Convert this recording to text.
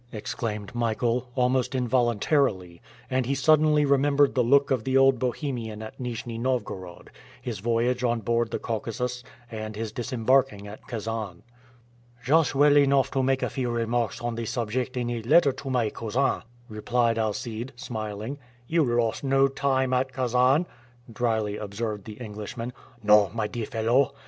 exclaimed Michael, almost involuntarily, and he suddenly remembered the look of the old Bohemian at Nijni Novgorod, his voyage on board the Caucasus, and his disembarking at Kasan. "Just well enough to make a few remarks on the subject in a letter to my cousin," replied Alcide, smiling. "You lost no time at Kasan," dryly observed the Englishman. "No, my dear fellow!